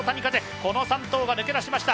この３頭が抜け出しました。